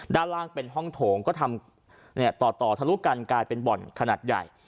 ด้านล่างเป็นห้องโถงก็ทำต่อต่อทะลุกันกลายเป็นบ่อนขนาดใหญ่